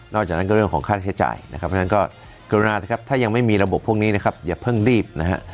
จากนั้นก็เรื่องของค่าใช้จ่ายนะครับเพราะฉะนั้นก็กรุณานะครับถ้ายังไม่มีระบบพวกนี้นะครับอย่าเพิ่งรีบนะฮะ